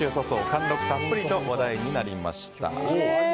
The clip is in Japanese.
貫録たっぷり！と話題になりました。